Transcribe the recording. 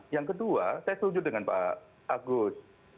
yang kedua saya setuju dengan pak agus